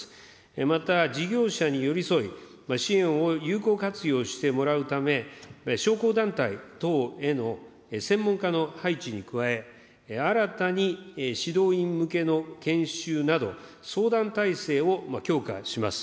また、事業者に寄り添い、支援を有効活用してもらうため、商工団体等への専門家の配置に加え、新たに指導員向けの研修など、相談体制を強化します。